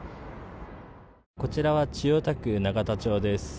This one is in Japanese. こちらは千代田区永田町です。